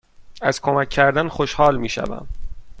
از کمک کردن خوشحال می شوم.